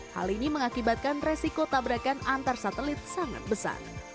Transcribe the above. hal ini mengakibatkan resiko tabrakan antar satelit sangat besar